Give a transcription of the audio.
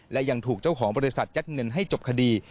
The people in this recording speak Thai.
และยังถูกเจ้าของบริษัทยัดเงินให้จบคดี